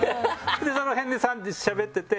その辺でしゃべってて。